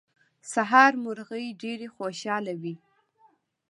د سهار مرغۍ ډېرې خوشاله وې.